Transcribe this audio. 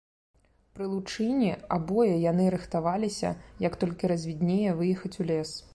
Пры лучыне абое яны рыхтаваліся, як толькі развіднее, выехаць у лес.